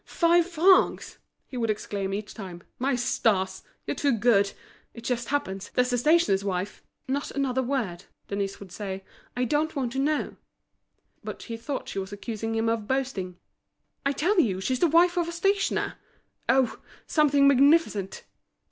"Five francs!" he would exclaim each time. "My stars! you're too good! It just happens, there's the stationer's wife—" "Not another word," Denise would say; "I don't want to know." But he thought she was accusing him of boasting. "I tell you she's the wife of a stationer! Oh! something magnificent!"